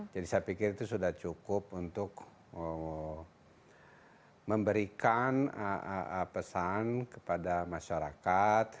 jadi saya pikir itu sudah cukup untuk memberikan pesan kepada masyarakat